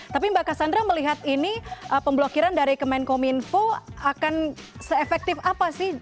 tapi mbak cassandra melihat ini pemblokiran dari kemenkominfo akan se efektif apa sih